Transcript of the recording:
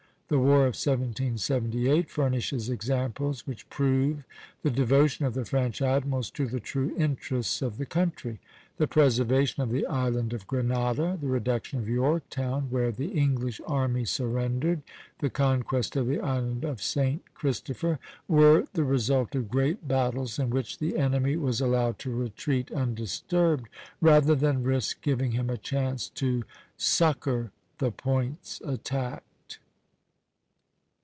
The war of 1778 furnishes examples which prove the devotion of the French admirals to the true interests of the country. The preservation of the island of Grenada, the reduction of Yorktown where the English army surrendered, the conquest of the island of St. Christopher, were the result of great battles in which the enemy was allowed to retreat undisturbed, rather than risk giving him a chance to succor the points attacked."